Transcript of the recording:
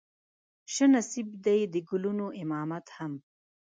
شه نصيب دې د ګلونو امامت هم